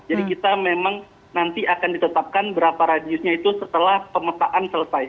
jadi kita memang nanti akan ditetapkan berapa radiusnya itu setelah pemetaan selesai